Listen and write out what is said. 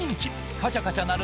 カチャカチャ鳴る